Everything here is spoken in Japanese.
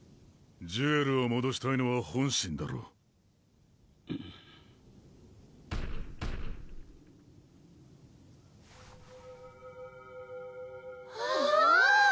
ジュエルをもどしたいのは本心だろうおぉ